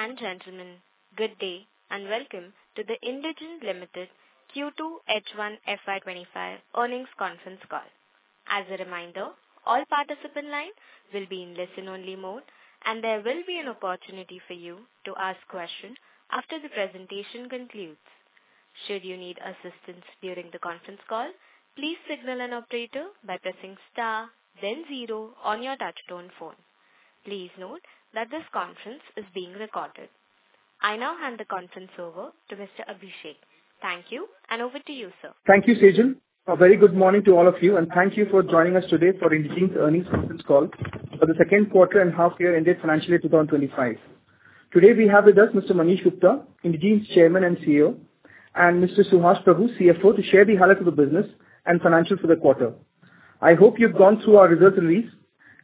Ladies and gentlemen, good day, and welcome to the Indegene Limited Q2 H1 FY 2025 earnings conference call. As a reminder, all participant lines will be in listen-only mode, and there will be an opportunity for you to ask questions after the presentation concludes. Should you need assistance during the conference call, please signal an operator by pressing star then zero on your touchtone phone. Please note that this conference is being recorded. I now hand the conference over to Mr. Abhishek. Thank you, and over to you, sir. Thank you, Sejal. A very good morning to all of you, and thank you for joining us today for Indegene's earnings conference call for the second quarter and half year ended fiscal 2025. Today, we have with us Mr. Manish Gupta, Indegene's Chairman and CEO, and Mr. Suhas Prabhu, CFO, to share the highlights of the business and financials for the quarter. I hope you've gone through our results release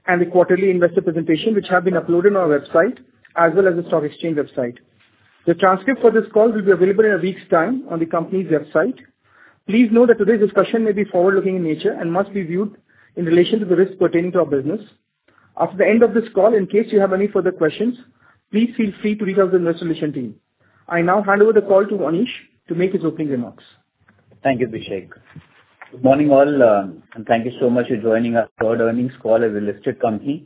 and the quarterly investor presentation, which have been uploaded on our website as well as the stock exchange website. The transcript for this call will be available in a week's time on the company's website. Please note that today's discussion may be forward-looking in nature and must be viewed in relation to the risks pertaining to our business. After the end of this call, in case you have any further questions, please feel free to reach out to the investor relations team. I now hand over the call to Manish to make his opening remarks. Thank you, Abhishek. Good morning, all, and thank you so much for joining our third earnings call as a listed company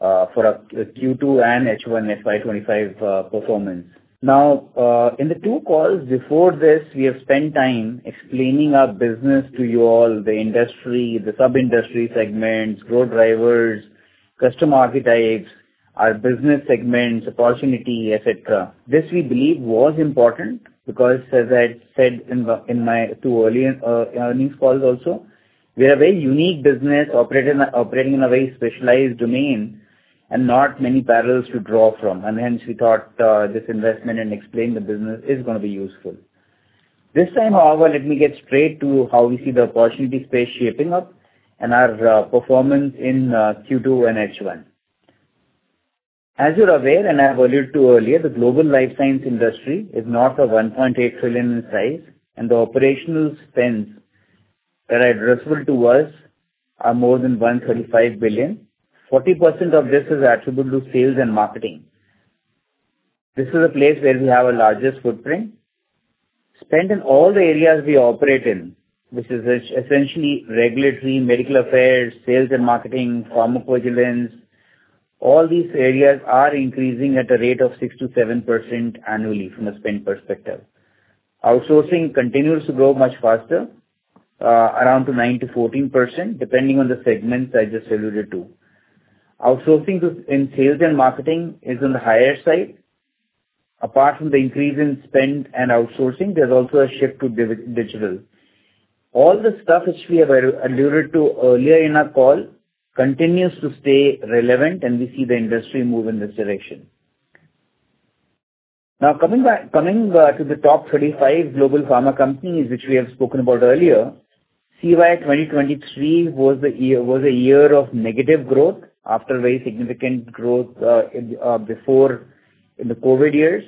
for our Q2 and H1 FY 2025 performance. Now, in the two calls before this, we have spent time explaining our business to you all, the industry, the sub-industry segments, growth drivers, customer archetypes, our business segments, opportunity, etc. This, we believe, was important because as I said in my two earlier earnings calls also, we are a very unique business operating in a very specialized domain and not many parallels to draw from. And hence we thought this investment in explaining the business is going to be useful. This time, however, let me get straight to how we see the opportunity space shaping up and our performance in Q2 and H1. As you're aware, and I've alluded to earlier, the global life science industry is now $1.8 trillion in size, and the operational spends that are addressable to us are more than $135 billion. 40% of this is attributable to sales and marketing. This is a place where we have our largest footprint. Spend in all the areas we operate in, which is essentially regulatory, medical affairs, sales and marketing, pharmacovigilance, all these areas are increasing at a rate of 6%-7% annually from a spend perspective. Outsourcing continues to grow much faster, around the 9%-14%, depending on the segments I just alluded to. Outsourcing in sales and marketing is on the higher side. Apart from the increase in spend and outsourcing, there's also a shift to digital. All the stuff which we have alluded to earlier in our call continues to stay relevant, and we see the industry move in this direction. Now, coming back to the top 35 global pharma companies, which we have spoken about earlier, CY 2023 was the year, was a year of negative growth after very significant growth in the before in the COVID years.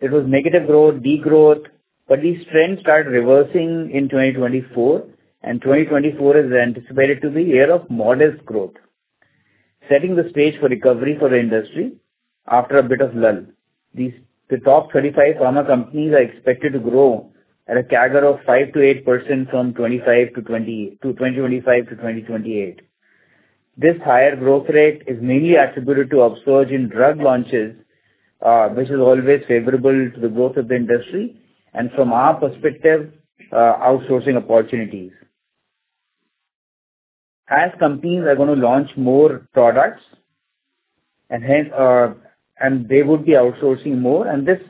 It was negative growth, degrowth, but these trends started reversing in 2024, and 2024 is anticipated to be a year of modest growth, setting the stage for recovery for the industry after a bit of lull. These, the top 35 pharma companies are expected to grow at a CAGR of 5%-8% from 2025 to 2028. This higher growth rate is mainly attributable to upsurge in drug launches, which is always favorable to the growth of the industry, and from our perspective, outsourcing opportunities. As companies are going to launch more products, and hence, and they would be outsourcing more, and this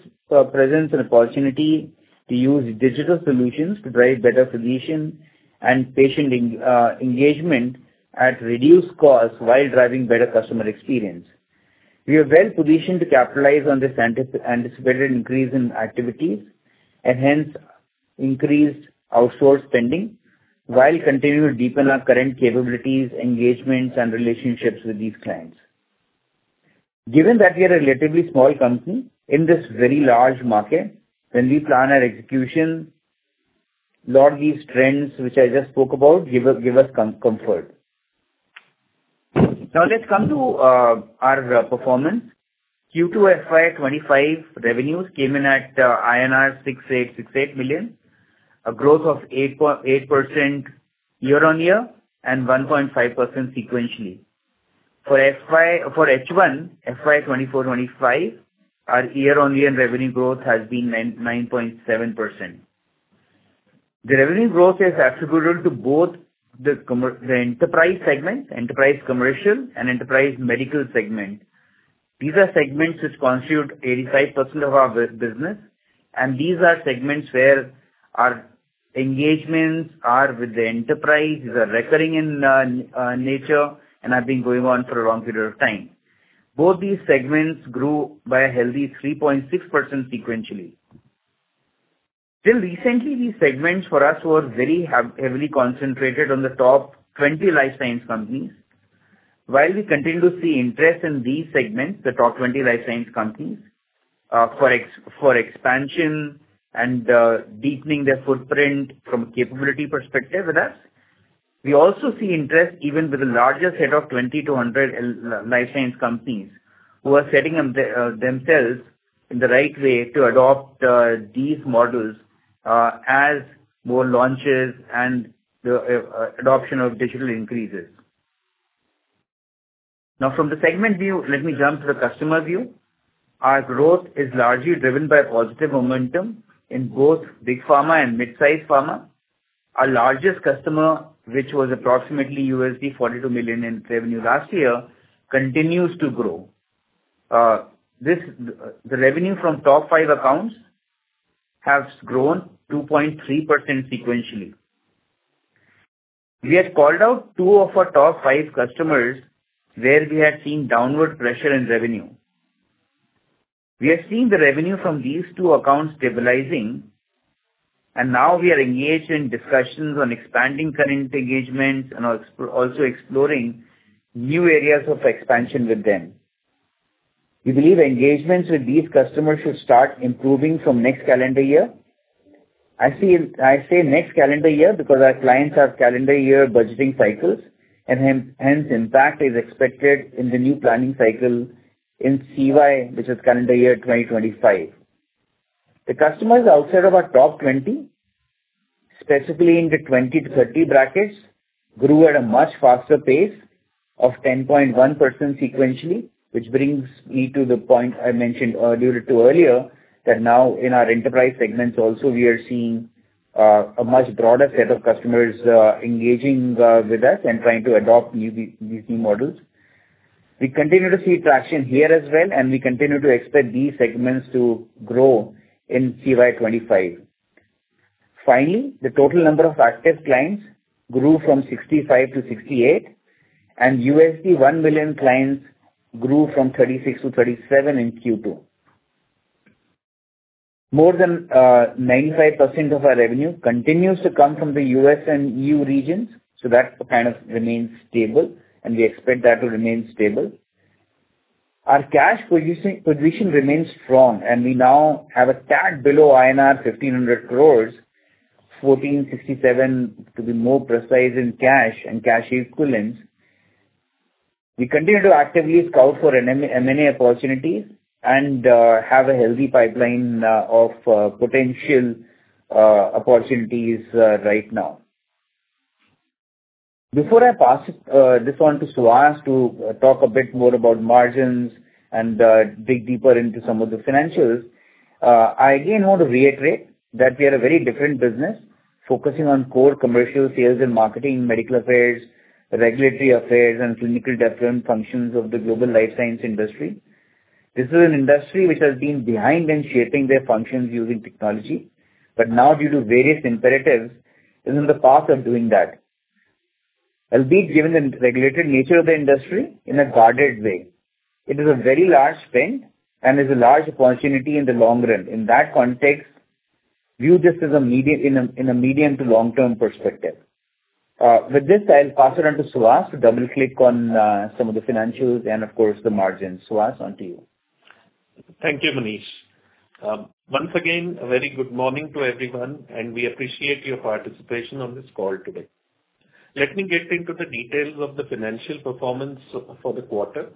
presents an opportunity to use digital solutions to drive better solution and patient engagement at reduced cost while driving better customer experience. We are well positioned to capitalize on this anticipated increase in activities and hence increased outsourced spending, while continuing to deepen our current capabilities, engagements, and relationships with these clients. Given that we are a relatively small company in this very large market, when we plan our execution, lot of these trends which I just spoke about give us comfort. Now let's come to our performance. Q2 FY 2025 revenues came in at INR 686.8 million, a growth of 8.8% year-on-year and 1.5% sequentially. For H1 FY 2024-2025, our year-on-year revenue growth has been 9.7%. The revenue growth is attributable to both the enterprise segment, Enterprise Commercial and Enterprise Medical Segment. These are segments which constitute 85% of our business, and these are segments where our engagements are with the enterprise, these are recurring in nature and have been going on for a long period of time. Both these segments grew by a healthy 3.6% sequentially. Till recently, these segments for us were very heavily concentrated on the top 20 life science companies. While we continue to see interest in these segments, the top 20 life science companies, for expansion and deepening their footprint from a capability perspective with us. We also see interest even with the largest set of 20 to 100 life science companies, who are setting up themselves in the right way to adopt these models, as more launches and the adoption of digital increases. Now, from the segment view, let me jump to the customer view. Our growth is largely driven by positive momentum in both Big Pharma and mid-sized pharma. Our largest customer, which was approximately $42 million in revenue last year, continues to grow. The revenue from top 5 accounts has grown 2.3% sequentially. We had called out two of our top five customers, where we had seen downward pressure in revenue. We have seen the revenue from these two accounts stabilizing, and now we are engaged in discussions on expanding current engagements and also exploring new areas of expansion with them. We believe engagements with these customers should start improving from next calendar year. I mean, I say next calendar year, because our clients have calendar year budgeting cycles, and hence, impact is expected in the new planning cycle in CY, which is calendar year 2025. The customers outside of our top 20, specifically in the 20-30 brackets, grew at a much faster pace of 10.1% sequentially, which brings me to the point I mentioned earlier, that now in our enterprise segments also, we are seeing a much broader set of customers engaging with us and trying to adopt new these new models. We continue to see traction here as well, and we continue to expect these segments to grow in CY 2025. Finally, the total number of active clients grew from 65 to 68, and US $1 million clients grew from 36 to 37 in Q2. More than 95% of our revenue continues to come from the U.S. and EU regions, so that kind of remains stable, and we expect that to remain stable. Our cash-producing position remains strong, and we now have cash below INR 1,500 crores, 1,467 to be more precise in Cash and Cash Equivalents. We continue to actively scout for an M&A opportunities and have a healthy pipeline of potential opportunities right now. Before I pass this on to Suhas, to talk a bit more about margins and dig deeper into some of the financials, I again want to reiterate that we are a very different business, focusing on core commercial sales and marketing, medical affairs, regulatory affairs, and clinical different functions of the global life science industry. This is an industry which has been behind in shaping their functions using technology, but now, due to various imperatives, is in the path of doing that. Although, given the regulated nature of the industry, in a guarded way, it is a very large spend and is a large opportunity in the long run. In that context, view this as a medium to long-term perspective. With this, I'll pass it on to Suhas to double-click on some of the financials and of course, the margins. Suhas, on to you. Thank you, Manish. Once again, a very good morning to everyone, and we appreciate your participation on this call today. Let me get into the details of the financial performance for the quarter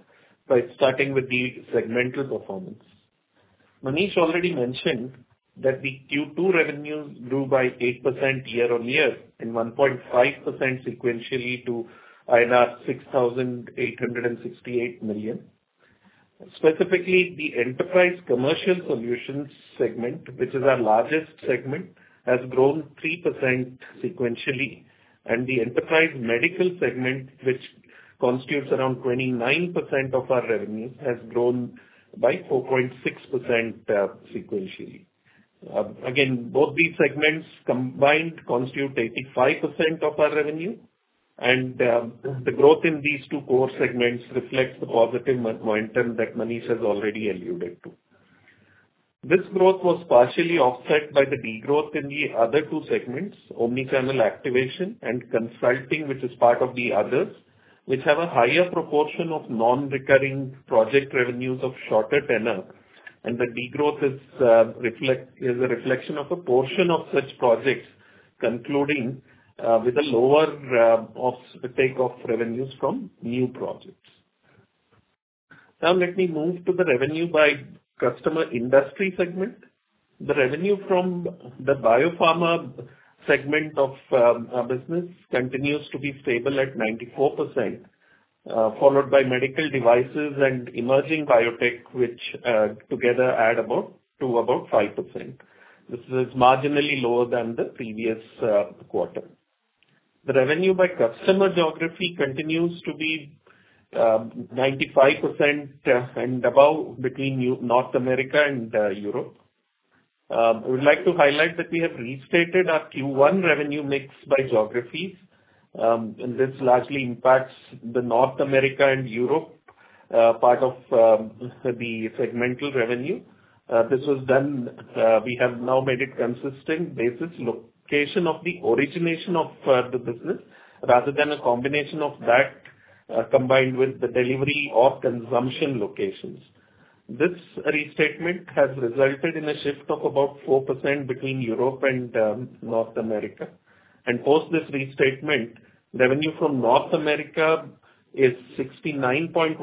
by starting with the segmental performance. Manish already mentioned that the Q2 revenues grew by 8% year-on-year and 1.5% sequentially to 6,868 million. Specifically, the Enterprise Commercial Solutions segment, which is our largest segment, has grown 3% sequentially, and the Enterprise Medical Segment, which constitutes around 29% of our revenue, has grown by 4.6% sequentially. Again, both these segments combined constitute 85% of our revenue, and the growth in these two core segments reflects the positive momentum that Manish has already alluded to. This growth was partially offset by the degrowth in the other two segments, Omnichannel Activation and consulting, which is part of the others, which have a higher proportion of non-recurring project revenues of shorter tenure. The degrowth is a reflection of a portion of such projects concluding with a lower uptake of revenues from new projects. Now, let me move to the revenue by customer industry segment. The revenue from the biopharma segment of our business continues to be stable at 94%, followed by medical devices and emerging biotech, which together add about 5%. This is marginally lower than the previous quarter. The revenue by customer geography continues to be 95% and above between North America and Europe. We'd like to highlight that we have restated our Q1 revenue mix by geographies, and this largely impacts the North America and Europe part of the segmental revenue. This was done, we have now made it consistent basis, location of the origination of the business, rather than a combination of that, combined with the delivery or consumption locations. This restatement has resulted in a shift of about 4% between Europe and North America. And post this restatement, revenue from North America is 69.1%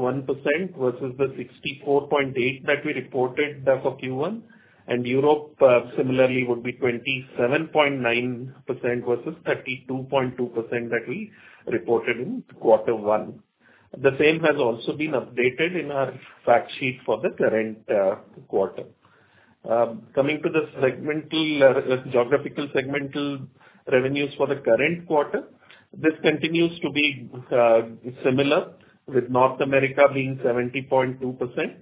versus the 64.8% that we reported back for Q1. And Europe, similarly would be 27.9% versus 32.2% that we reported in quarter one. The same has also been updated in our fact sheet for the current quarter. Coming to the segmental geographical segmental revenues for the current quarter, this continues to be similar, with North America being 70.2%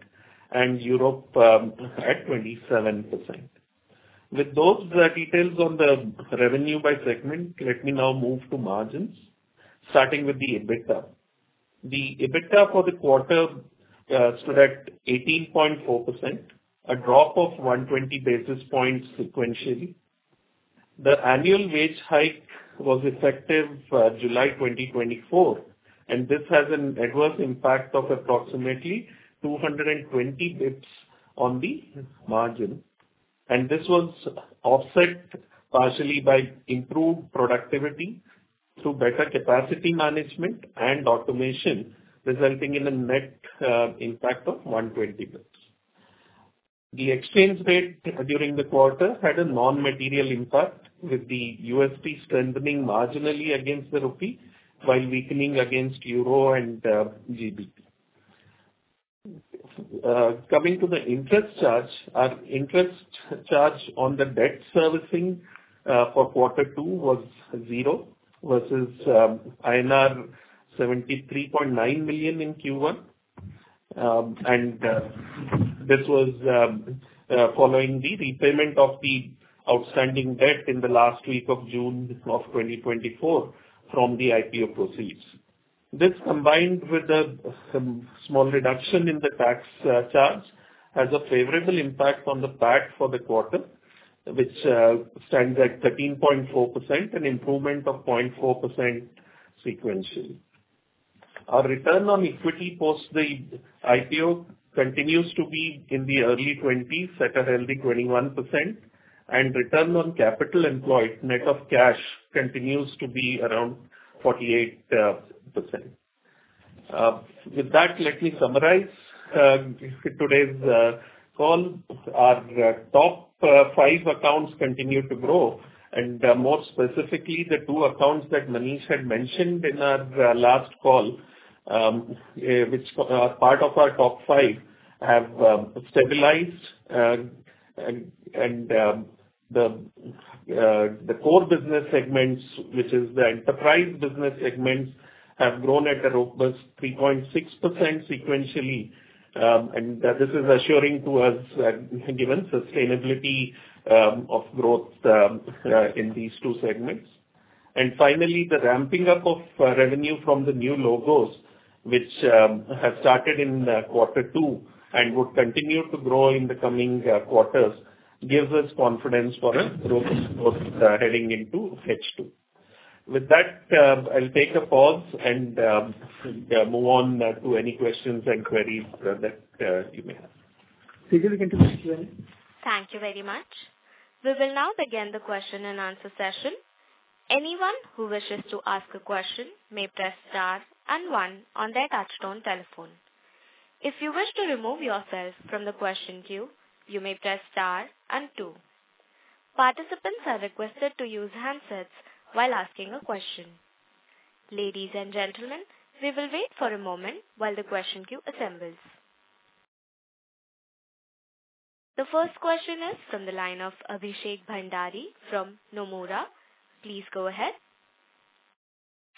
and Europe at 27%. With those details on the revenue by segment, let me now move to margins, starting with the EBITDA. The EBITDA for the quarter stood at 18.4%, a drop of 120 basis points sequentially. The annual wage hike was effective July 2024, and this has an adverse impact of approximately 220 basis points on the margin, and this was offset partially by improved productivity through better capacity management and automation, resulting in a net impact of 120 basis points. The exchange rate during the quarter had a non-material impact, with the USD strengthening marginally against the rupee, while weakening against euro and GBP. Coming to the interest charge, our interest charge on the debt servicing for quarter two was zero, versus INR 73.9 million in Q1, and this was following the repayment of the outstanding debt in the last week of June of 2024 from the IPO proceeds. This, combined with some small reduction in the tax charge, has a favorable impact on the PAT for the quarter, which stands at 13.4%, an improvement of 0.4% sequentially. Our Return on Equity post the IPO continues to be in the early twenties at a healthy 21%, and Return on Capital Employed net of cash continues to be around 48%. With that, let me summarize today's call. Our top five accounts continue to grow, and more specifically, the two accounts that Manish had mentioned in our last call, which are part of our top five, have stabilized, and the core business segments, which is the enterprise business segments, have grown at a robust 3.6% sequentially. And this is assuring to us, given sustainability of growth in these two segments. And finally, the ramping up of revenue from the new logos, which have started in quarter two and would continue to grow in the coming quarters, gives us confidence for a robust growth heading into H2. With that, I'll take a pause and move on to any questions and queries that you may have. We will get to the Q&A. Thank you very much. We will now begin the question-and-answer session. Anyone who wishes to ask a question may press star and one on their touchtone telephone. If you wish to remove yourself from the question queue, you may press star and two. Participants are requested to use handsets while asking a question. Ladies and gentlemen, we will wait for a moment while the question queue assembles. The first question is from the line of Abhishek Bhandari from Nomura. Please go ahead.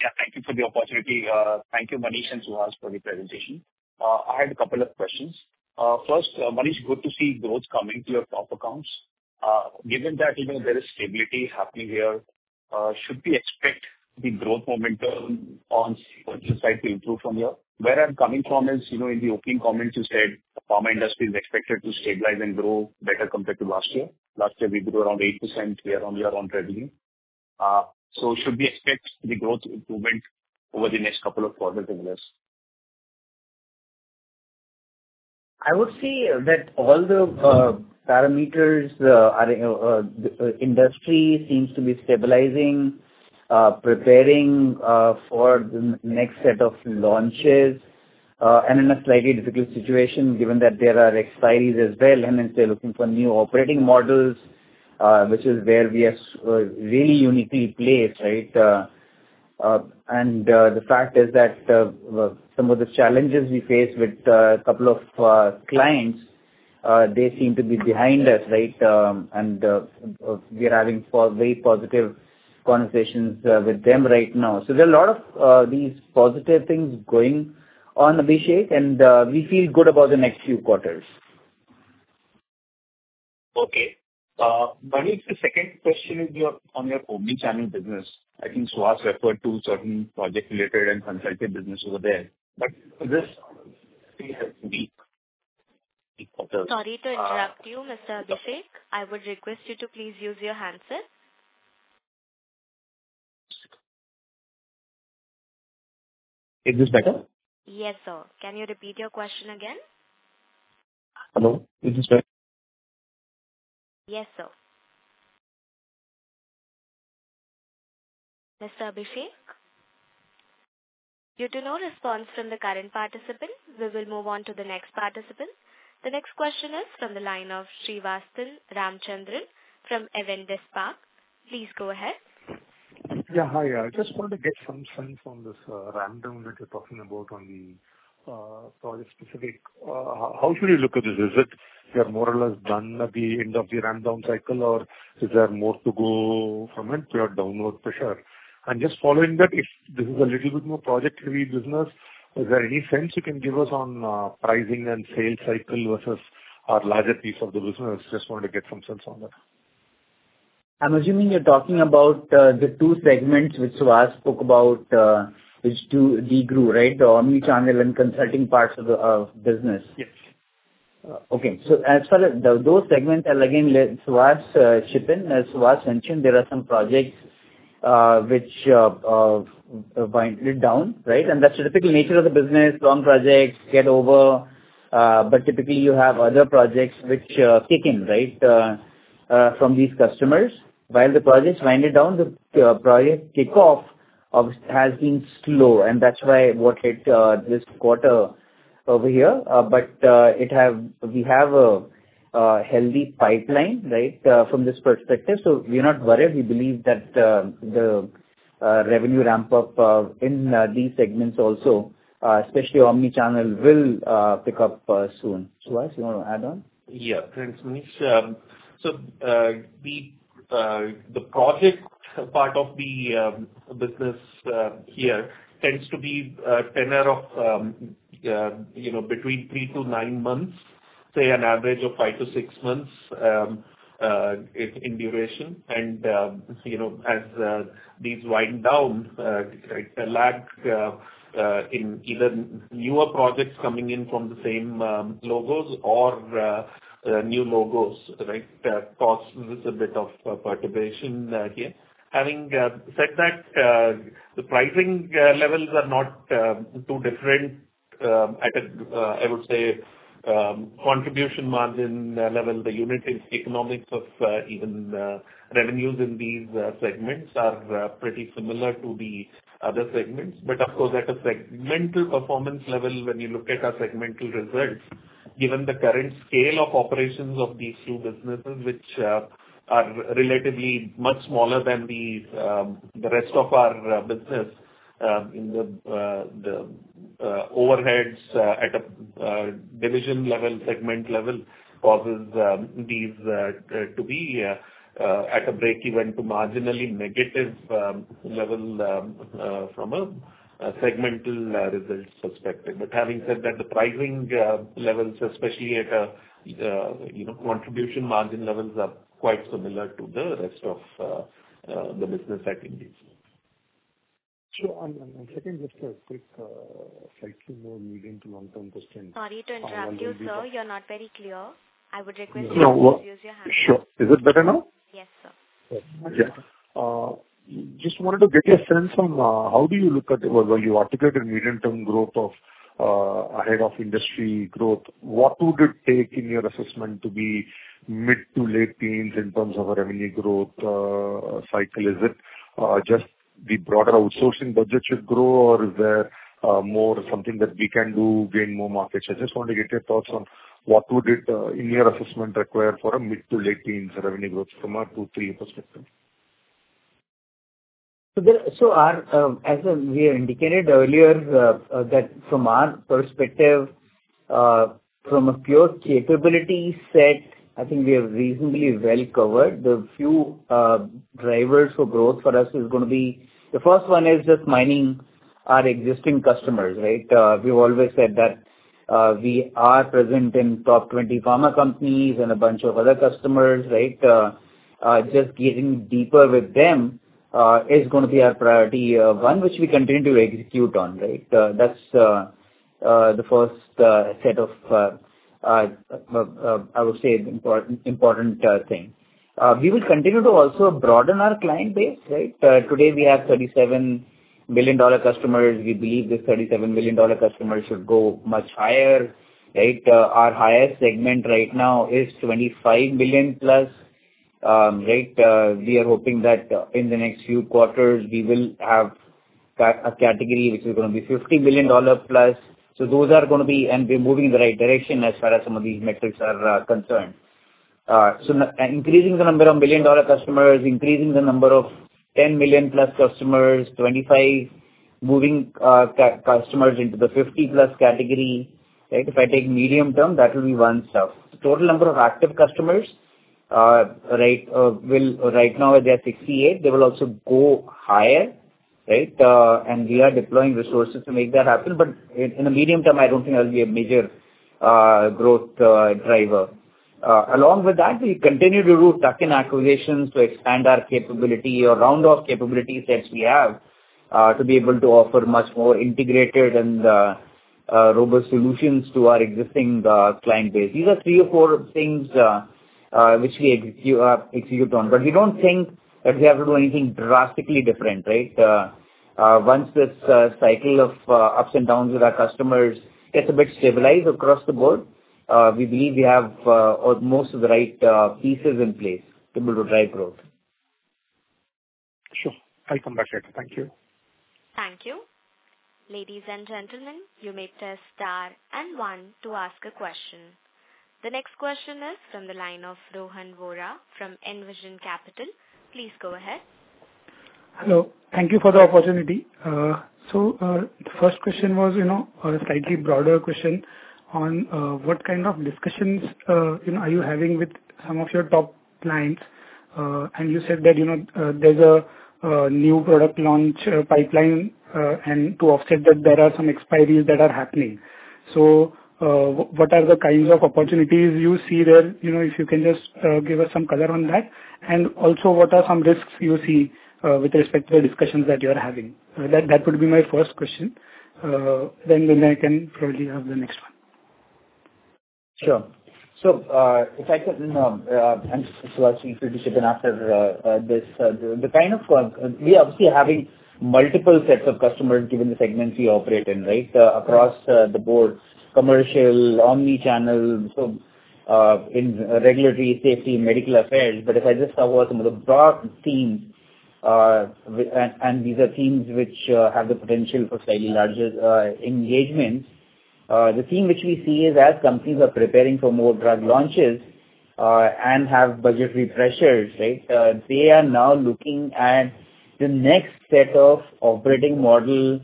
Yeah, thank you for the opportunity. Thank you, Manish and Suhas, for the presentation. I had a couple of questions. First, Manish, good to see growth coming to your top accounts. Given that, you know, there is stability happening here, should we expect the growth momentum on this side to improve from here? Where I'm coming from is, you know, in the opening comments, you said, pharma industry is expected to stabilize and grow better compared to last year. Last year, we grew around 8% year-on-year on revenue. So should we expect the growth improvement over the next couple of quarters in this? I would say that all the parameters are, the industry seems to be stabilizing, preparing for the next set of launches. In a slightly difficult situation, given that there are expiries as well, and they're looking for new operating models, which is where we are really uniquely placed, right? The fact is that some of the challenges we faced with a couple of clients, they seem to be behind us, right? We are having very positive conversations with them right now, so there are a lot of these positive things going on, Abhishek, and we feel good about the next few quarters. Okay. Manish, the second question is on your Omnichannel Business. I think Suhas referred to certain project-related and consulting business over there, but this has been- Sorry to interrupt you, Mr. Abhishek. I would request you to please use your handset.... Is this better? Yes, sir. Can you repeat your question again? Hello, is this better? Yes, sir. Mr. Abhishek, due to no response from the current participant, we will move on to the next participant. The next question is from the line of Srivathsan Ramachandran from Avendus Spark. Please go ahead. Yeah, hi. I just wanted to get some sense on this R&D that you're talking about on the project specific. How should we look at this? Is it you are more or less done at the end of the run-down cycle, or is there more to go from it, pure downside pressure? And just following that, if this is a little bit more project-heavy business, is there any sense you can give us on pricing and sales cycle versus our larger piece of the business? I just wanted to get some sense on that. I'm assuming you're talking about the two segments which Suhas spoke about, which do degrew, right? The Omnichannel and consulting parts of the business. Yes. Okay. As far as those segments, and again, let Suhas chip in. As Suhas mentioned, there are some projects which wind it down, right? And that's the typical nature of the business. Long projects get over, but typically, you have other projects which kick in, right, from these customers. While the projects wind it down, the project kickoff obviously has been slow, and that's why what hit this quarter over here. But we have a healthy pipeline, right, from this perspective, so we are not worried. We believe that the revenue ramp up in these segments also, especially Omnichannel, will pick up soon. Suhas, you wanna add on? Yeah, thanks, Manish. So, the project part of the business here tends to be a tenor of you know, between three to nine months, say an average of five to six months, in duration. And you know, as these wind down, like, in either newer projects coming in from the same logos or new logos, right? Causes this a bit of perturbation here. Having said that, the pricing levels are not too different. I could I would say, contribution margin level, the unit economics of even revenues in these segments are pretty similar to the other segments. But of course, at a segmental performance level, when you look at our segmental results, given the current scale of operations of these two businesses, which are relatively much smaller than the rest of our business, in the overheads at a division level, segment level, causes these to be at a break-even to marginally negative level from a segmental results perspective. But having said that, the pricing levels, especially at a, you know, contribution margin levels, are quite similar to the rest of the business at Indegene. On second, just a quick, slightly more medium to long-term question. Sorry to interrupt you, sir. You're not very clear. I would request you to use your headset. Sure. Is it better now? Yes, sir. Yeah. Just wanted to get a sense on, how do you look at... Well, you articulated medium-term growth of, ahead of industry growth. What would it take in your assessment to be mid to late teens in terms of a revenue growth, cycle? Is it, just the broader outsourcing budget should grow, or is there, more something that we can do gain more market share? Just want to get your thoughts on what would it, in your assessment, require for a mid to late teens revenue growth from a two, three perspective. As we have indicated earlier, that from our perspective, from a pure capability set, I think we are reasonably well covered. The few drivers for growth for us is gonna be, the first one is just mining our existing customers, right? We've always said that, we are present in top 20 pharma companies and a bunch of other customers, right? Just getting deeper with them, is gonna be our priority one, which we continue to execute on, right? That's the first set of, I would say, important thing. We will continue to also broaden our client base, right? Today we have $37 billion customers. We believe the $37 billion customers should go much higher, right? Our highest segment right now is $25 billion+, right? We are hoping that in the next few quarters, we will have a category which is gonna be $50 billion+. So those are gonna be, and we're moving in the right direction as far as some of these metrics are concerned. So increasing the number of $1 billion customers, increasing the number of 10 million-plus customers, 25, moving customers into the 50-plus category, right? If I take medium term, that will be one stuff. Total number of active customers right now they are 68. They will also go higher, right? And we are deploying resources to make that happen, but in the medium term, I don't think that will be a major growth driver. Along with that, we continue to do tuck-in acquisitions to expand our capability or round off capability sets we have to be able to offer much more integrated and robust solutions to our existing client base. These are three or four things which we executed on, but we don't think that we have to do anything drastically different, right? Once this cycle of ups and downs with our customers gets a bit stabilized across the board, we believe we have most of the right pieces in place to be able to drive growth. Sure. I'll come back, thank you. Thank you. Ladies and gentlemen, you may press star and one to ask a question. The next question is from the line of Rohan Vora from Envision Capital. Please go ahead. Hello. Thank you for the opportunity. So, the first question was, you know, a slightly broader question on, what kind of discussions, you know, are you having with some of your top clients? And you said that, you know, there's a new product launch pipeline, and to offset that there are some expiries that are happening. So, what are the kinds of opportunities you see there? You know, if you can just give us some color on that. And also, what are some risks you see, with respect to the discussions that you're having? That would be my first question. Then I can probably have the next one. Sure, so if I could, and Suhas, feel free to chip in after this. The kind of work... We are obviously having multiple sets of customers, given the segments we operate in, right? Across the board, commercial, Omnichannel, so, in regulatory, safety, medical affairs. But if I just cover some of the broad themes, and these are themes which have the potential for slightly larger engagements. The theme which we see is as companies are preparing for more drug launches, and have budgetary pressures, right, they are now looking at the next set of operating model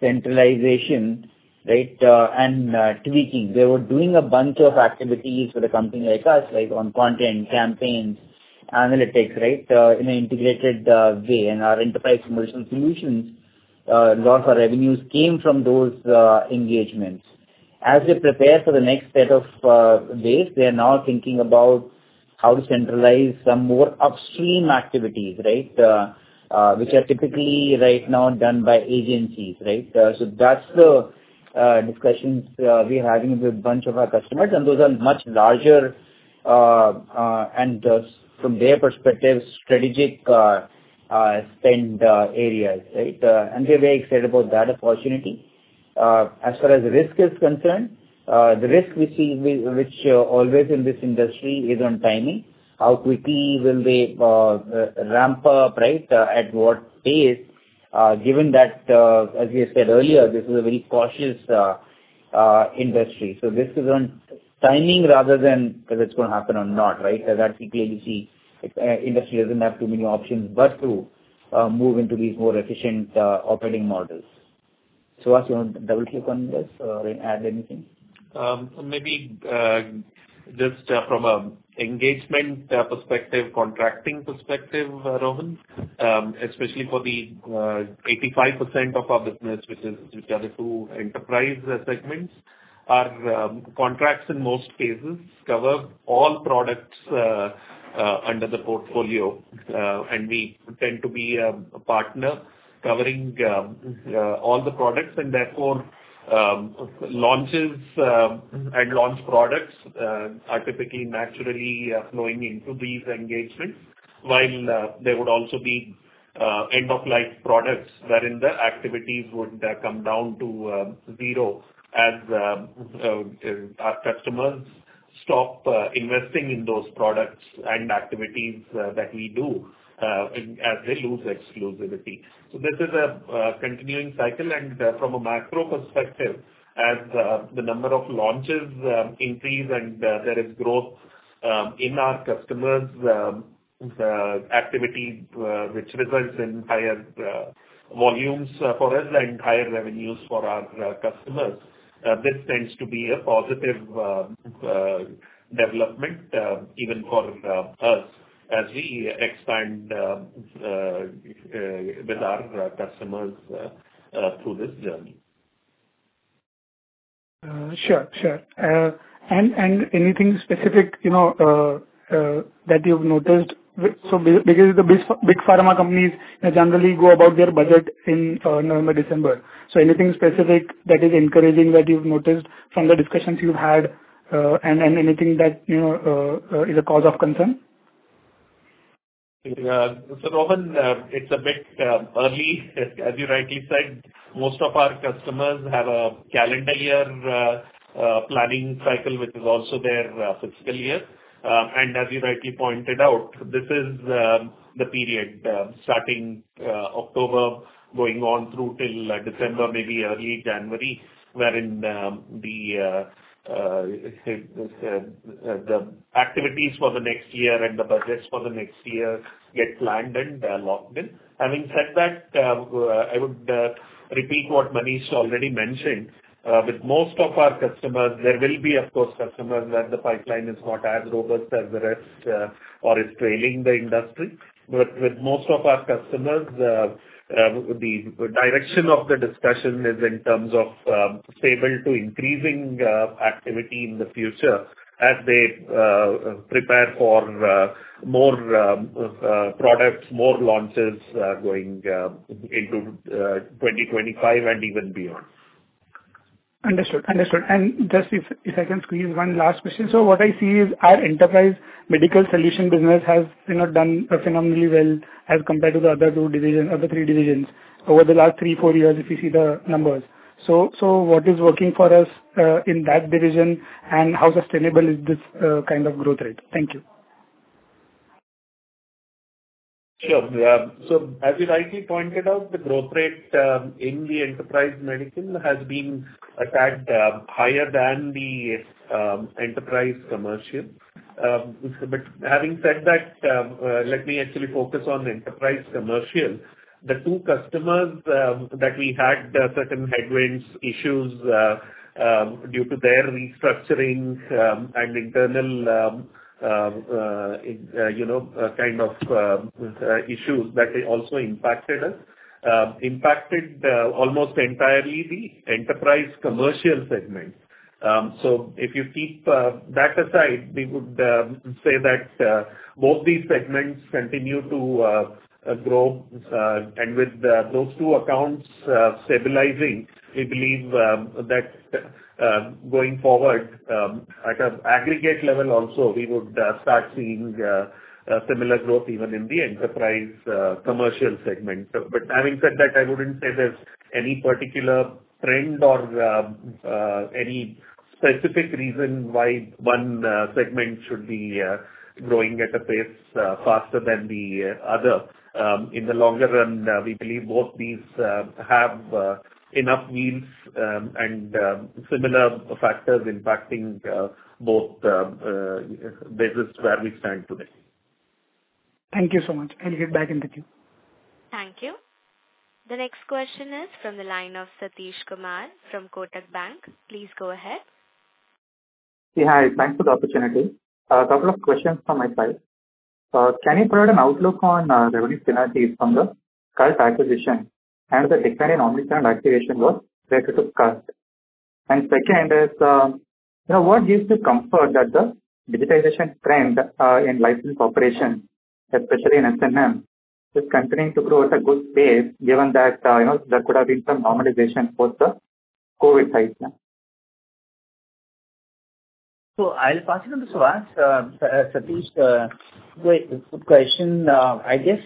centralization, right, and tweaking. They were doing a bunch of activities with a company like us, right, on content, campaigns, analytics, right, in an integrated way. And our Enterprise Commercial Solutions, lot of our revenues came from those engagements. As they prepare for the next set of waves, they are now thinking about how to centralize some more upstream activities, right, which are typically right now done by agencies, right? So that's the discussions we're having with a bunch of our customers, and those are much larger, and from their perspective, strategic spend areas, right? And we're very excited about that opportunity. As far as risk is concerned, the risk we see, which always in this industry is on timing. How quickly will they ramp up, right, at what pace? Given that, as we said earlier, this is a very cautious industry, so this is on timing rather than whether it's going to happen or not, right? That typically we see, industry doesn't have too many options but to move into these more efficient operating models. Suhas, you want to double-click on this or add anything? Maybe just from a engagement perspective, contracting perspective, Rohan, especially for the 85% of our business, which are the two enterprise segments. Our contracts in most cases cover all products under the portfolio, and we tend to be a partner covering all the products. And therefore, launches and launch products are typically naturally flowing into these engagements. While there would also be end-of-life products, wherein the activities would come down to zero as our customers stop investing in those products and activities that we do in as they lose exclusivity. So this is a continuing cycle, and from a macro perspective, as the number of launches increase and there is growth in our customers' activity, which results in higher volumes for us and higher revenues for our customers, this tends to be a positive development even for us, as we expand with our customers through this journey. Sure, sure. And anything specific, you know, that you've noticed? So because the Big Pharma companies generally go about their budget in November, December. So anything specific that is encouraging, that you've noticed from the discussions you've had, and anything that, you know, is a cause of concern? So Rohan, it's a bit early. As you rightly said, most of our customers have a calendar year planning cycle, which is also their fiscal year. And as you rightly pointed out, this is the period starting October, going on through till December, maybe early January, wherein the activities for the next year and the budgets for the next year get planned and locked in. Having said that, I would repeat what Manish already mentioned. With most of our customers, there will be, of course, customers where the pipeline is not as robust as the rest or is trailing the industry. But with most of our customers, the direction of the discussion is in terms of stable to increasing activity in the future as they prepare for more products, more launches going into 2025 and even beyond. Understood, understood. And just if, if I can squeeze one last question. So what I see is our Enterprise Commercial Solutions business has, you know, done phenomenally well as compared to the other two division, other three divisions over the last three, four years, if you see the numbers. So, so what is working for us, in that division, and how sustainable is this, kind of growth rate? Thank you. Sure, so as you rightly pointed out, the growth rate in the Enterprise Medical has been a tad higher than the Enterprise Commercial, but having said that, let me actually focus on the Enterprise Commercial. The two customers that we had certain headwinds issues due to their restructuring and internal you know kind of issues that also impacted us almost entirely the Enterprise Commercial Segment, so if you keep that aside, we would say that both these segments continue to grow and with those two accounts stabilizing, we believe that going forward at an aggregate level also, we would start seeing a similar growth even in the Enterprise Commercial Segment. But having said that, I wouldn't say there's any particular trend or any specific reason why one segment should be growing at a pace faster than the other. In the longer run, we believe both these have enough needs and similar factors impacting both places where we stand today. Thank you so much. I'll get back in the queue. Thank you. The next question is from the line of Satish Kumar from Kotak Bank. Please go ahead. Yeah, hi. Thanks for the opportunity. Couple of questions from my side. Can you provide an outlook on revenue synergy from the current acquisition and the expanded omnichannel activation work related to current? And second is, you know, what gives you comfort that the digitization trend in licensed operation, especially in SMM, is continuing to grow at a good pace, given that, you know, there could have been some normalization post the COVID cycle? So I'll pass it on to Suhas. Satish, great question. I guess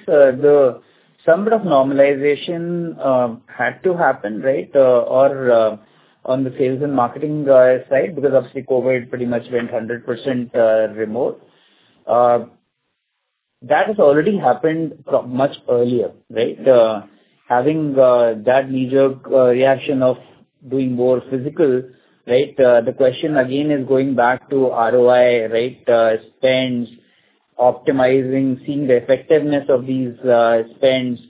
some bit of normalization had to happen, right? Or on the sales and marketing side, because obviously COVID pretty much went 100% remote. That has already happened from much earlier, right? Having that knee-jerk reaction of doing more physical, right, the question again is going back to ROI, right, spends, optimizing, seeing the effectiveness of these spends,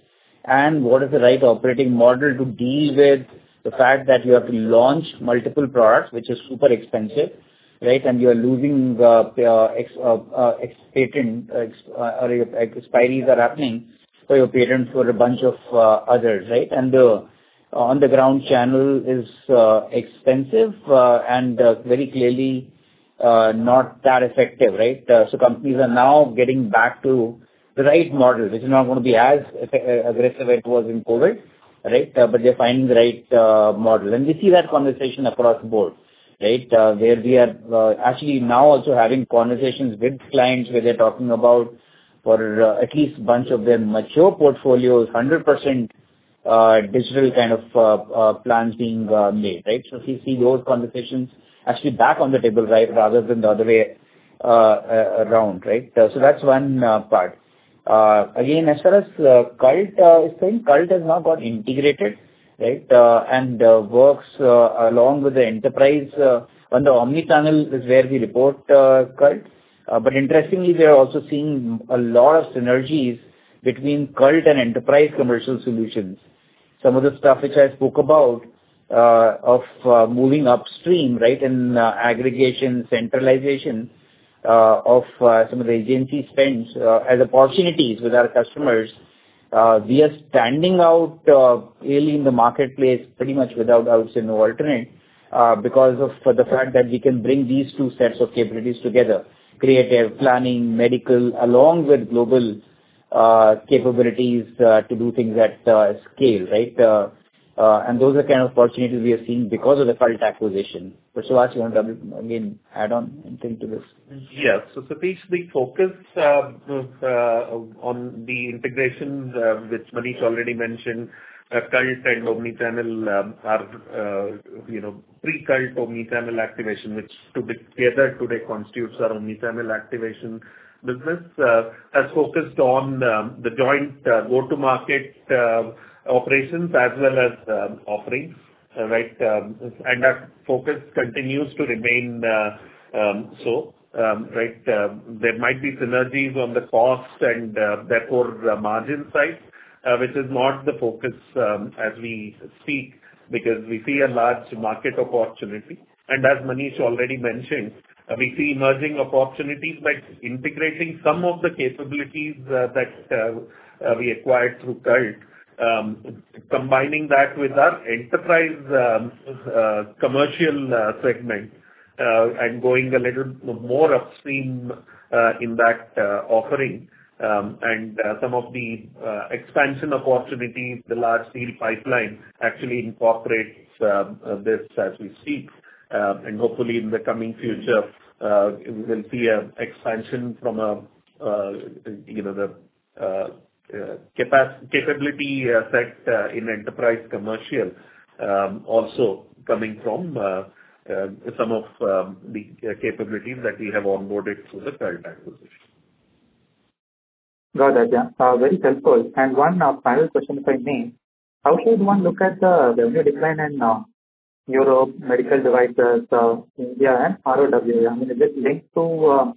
and what is the right operating model to deal with the fact that you have to launch multiple products, which is super expensive, right? And you are losing ex-patent or expiries are happening for your patents for a bunch of others, right? And the on the ground channel is expensive, and very clearly not that effective, right? So companies are now getting back to the right model, which is not gonna be as aggressive as it was in COVID, right? But they're finding the right model. And we see that conversation across board, right? Where we are actually now also having conversations with clients, where they're talking about for at least bunch of their mature portfolios, 100% digital kind of plans being made, right? So we see those conversations actually back on the table, right, rather than the other way around, right? So that's one part. Again, as far as Cult is concerned, Cult has now got integrated, right? And works along with the enterprise on the Omnichannel is where we report Cult. But interestingly, we are also seeing a lot of synergies between Cult and Enterprise Commercial Solutions. Some of the stuff which I spoke about of moving upstream, right, in aggregation, centralization of some of the agency spends as opportunities with our customers. We are standing out really in the marketplace, pretty much without doubts or no alternative because of the fact that we can bring these two sets of capabilities together, creative, planning, medical, along with global capabilities to do things at scale, right? And those are the kind of opportunities we are seeing because of the Cult acquisition. But Suhas, you want to again add on anything to this? Yes. So Satish, we focused on the integrations, which Manish already mentioned. Cult and Omnichannel are, you know, pre-Cult Omnichannel Activation, which together today constitutes our Omnichannel Activation business. It has focused on the joint go-to-market operations as well as offerings, right? And our focus continues to remain so right. There might be synergies on the cost and therefore the margin side, which is not the focus as we speak, because we see a large market opportunity. And as Manish already mentioned, we see emerging opportunities by integrating some of the capabilities that we acquired through Cult, combining that with our enterprise commercial segment, and going a little more upstream in that offering. And some of the expansion opportunities, the large deal pipeline actually incorporates this as we speak. And hopefully in the coming future, we will see an expansion from a you know the capability set in enterprise commercial also coming from some of the capabilities that we have onboarded through the current acquisition. Got it, yeah. Very helpful. And one final question for me: How should one look at the revenue decline in Europe, medical devices, India and ROW? I mean, is it linked to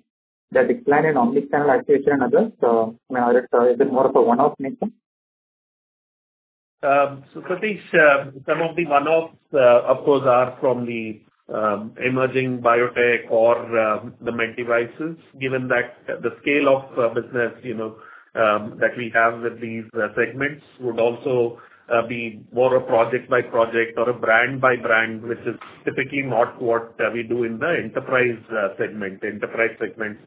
the decline in Omnichannel Activation and others, or is it more of a one-off nature? So, Satish, some of the one-offs, of course, are from the emerging biotech or the med devices. Given that the scale of business, you know, that we have with these segments would also be more a project-by-project or a brand-by-brand, which is typically not what we do in the enterprise segment. Enterprise segment,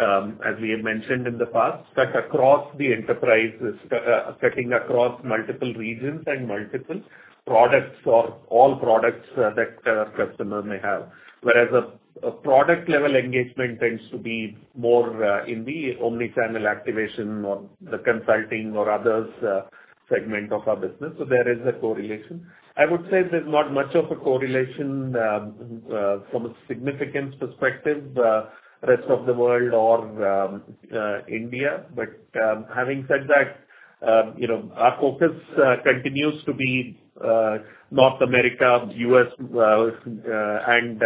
as we have mentioned in the past, cut across the enterprise, cutting across multiple regions and multiple products or all products that a customer may have. Whereas a product-level engagement tends to be more in the Omnichannel Activation or the consulting or others segment of our business, so there is a correlation. I would say there's not much of a correlation from a significance perspective, rest of the world or India. But, having said that, you know, our focus continues to be North America, US, and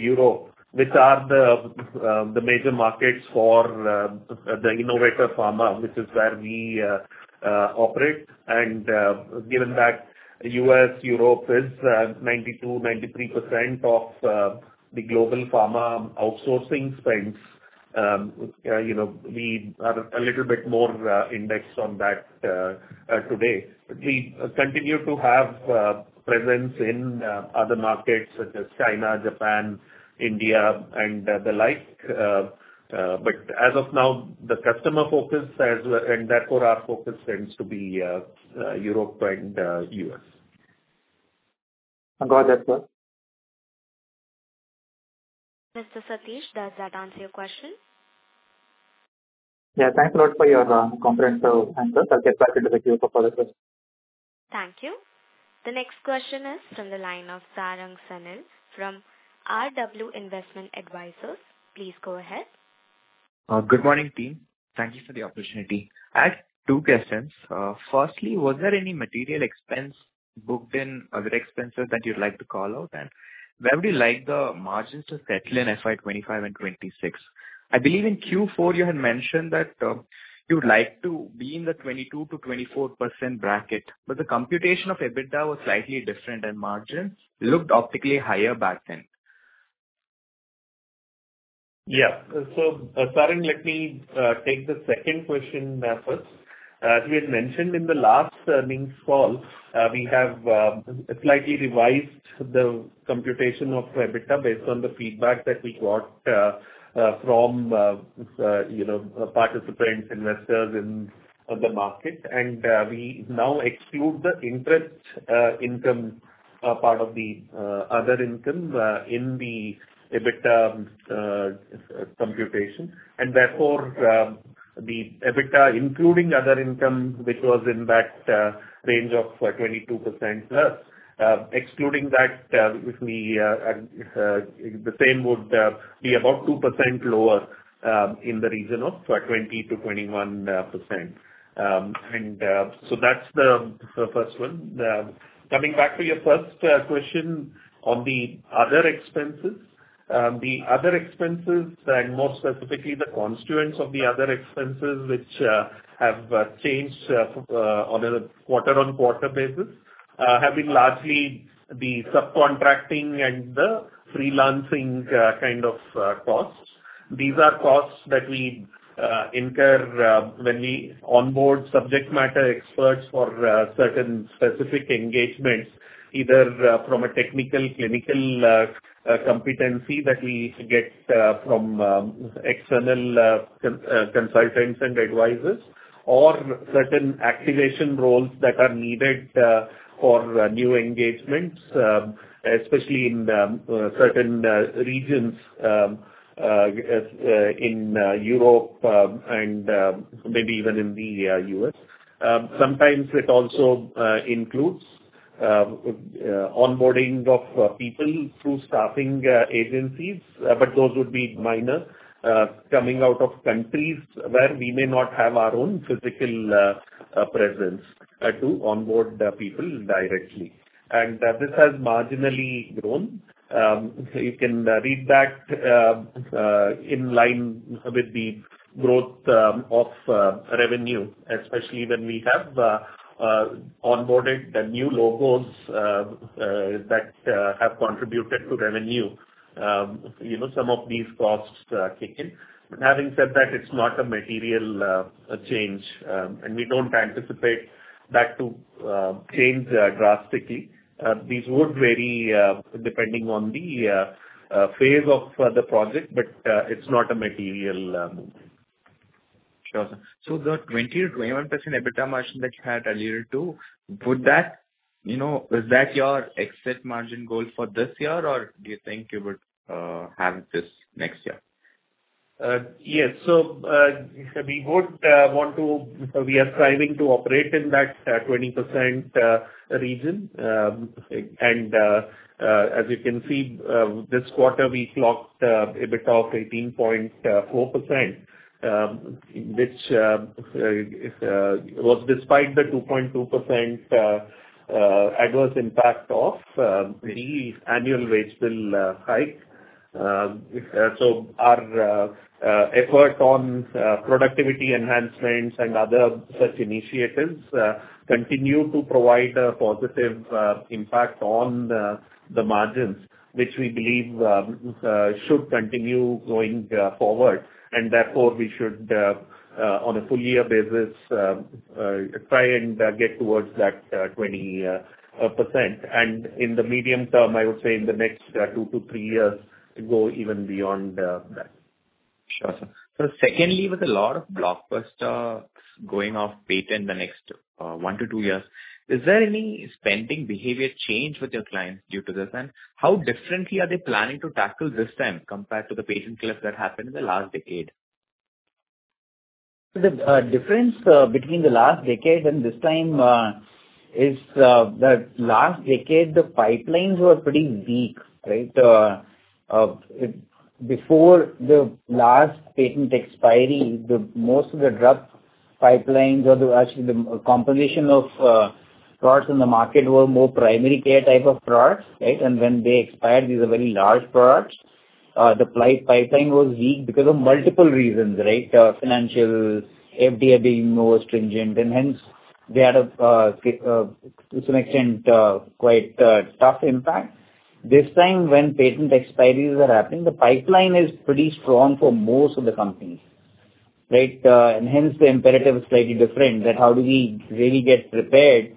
Europe, which are the major markets for the innovative pharma, which is where we operate. And, given that US, Europe is 92-93% of the global pharma outsourcing spends, you know, we are a little bit more indexed on that today. We continue to have presence in other markets such as China, Japan, India and the like. But as of now, the customer focus and therefore our focus tends to be Europe and US. I got that, sir. Mr. Satish, does that answer your question? Yeah. Thanks a lot for your comprehensive answers. I'll get back into the queue for follow-up questions. Thank you. The next question is from the line of Sarang Sanil, from RW Investment Advisors. Please go ahead. Good morning, team. Thank you for the opportunity. I have two questions. Firstly, was there any material expense booked in other expenses that you'd like to call out? And where would you like the margins to settle in FY 2025 and 2026? I believe in Q4, you had mentioned that, you'd like to be in the 22%-24% bracket, but the computation of EBITDA was slightly different, and margins looked optically higher back then. Yeah. So, Sarang, let me take the second question first. As we had mentioned in the last earnings call, we have slightly revised the computation of EBITDA based on the feedback that we got from you know, participants, investors in the market. And we now exclude the interest income part of the other income in the EBITDA computation. And therefore, the EBITDA including other income, which was in that range of 22%, excluding that, which we the same would be about 2% lower, in the region of 20%-21%. And so that's the first one. Coming back to your first question on the other expenses. The other expenses, and more specifically, the constituents of the other expenses, which have changed on a quarter-on-quarter basis, have been largely the subcontracting and the freelancing kind of costs. These are costs that we incur when we onboard subject matter experts for certain specific engagements, either from a technical, clinical competency that we get from external consultants and advisors, or certain activation roles that are needed for new engagements, especially in the certain regions in Europe and maybe even in the US. Sometimes it also includes onboarding of people through staffing agencies, but those would be minor coming out of countries where we may not have our own physical presence to onboard the people directly. And this has marginally grown. You can read that in line with the growth of revenue, especially when we have onboarded the new logos that have contributed to revenue, you know, some of these costs kick in. But having said that, it's not a material change, and we don't anticipate that to change drastically. These would vary depending on the phase of the project, but it's not a material movement. Sure, sir. So the 20%-21% EBITDA margin that you had alluded to, would that, you know, is that your exit margin goal for this year, or do you think you would have this next year? Yes, so we would want to. We are striving to operate in that 20% region. And as you can see, this quarter we clocked EBITDA of 18.4%, which was despite the 2.2% adverse impact of the annual wage bill hike, so our effort on productivity enhancements and other such initiatives continue to provide a positive impact on the margins, which we believe should continue going forward, and therefore we should on a full year basis try and get towards that 20%, and in the medium term I would say in the next two to three years go even beyond that. Sure, sir. So secondly, with a lot of blockbusters going off patent the next one to two years, is there any spending behavior change with your clients due to this? And how differently are they planning to tackle this time compared to the patent cliff that happened in the last decade? The difference between the last decade and this time is the last decade, the pipelines were pretty weak, right? Before the last patent expiry, the most of the drug pipelines, or actually the composition of products in the market, were more primary care type of products, right? And when they expired, these are very large products. The pipeline was weak because of multiple reasons, right? Financial, FDA being more stringent, and hence they had a to some extent quite tough impact. This time, when patent expiries are happening, the pipeline is pretty strong for most of the companies, right? And hence, the imperative is slightly different, that how do we really get prepared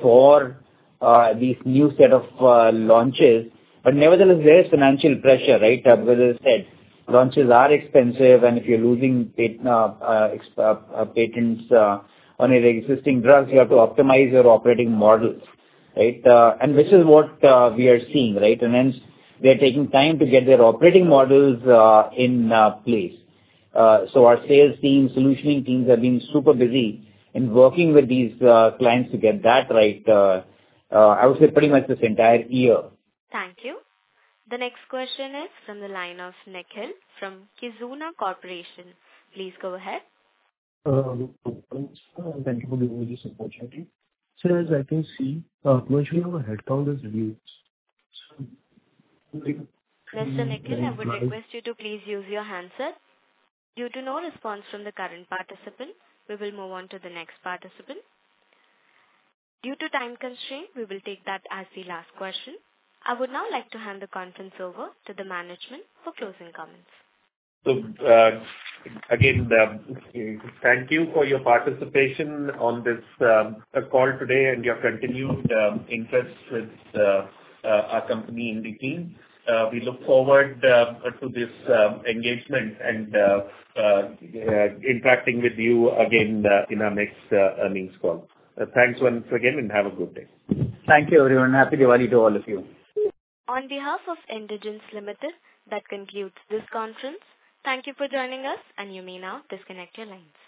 for these new set of launches? But nevertheless, there is financial pressure, right? Because as I said, launches are expensive, and if you're losing patents on your existing drugs, you have to optimize your operating models, right? And which is what we are seeing, right? And hence, they're taking time to get their operating models in place. So our sales team, solutioning teams, are being super busy in working with these clients to get that right, I would say pretty much this entire year. Thank you. The next question is from the line of Nikhil from Kizuna Corporation. Please go ahead. Thank you for giving me this opportunity. Sir, as I can see, mentioned our headcount has reduced- Mr. Nikhil, I would request you to please use your handset. Due to no response from the current participant, we will move on to the next participant. Due to time constraint, we will take that as the last question. I would now like to hand the conference over to the management for closing comments. Again, thank you for your participation on this call today, and your continued interest with our company Indegene. We look forward to this engagement and interacting with you again in our next earnings call. Thanks once again and have a good day. Thank you, everyone. Happy Diwali to all of you. On behalf of Indegene Limited, that concludes this conference. Thank you for joining us, and you may now disconnect your lines.